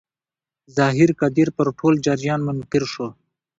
ظاهر قدیر پر ټول جریان منکر شو.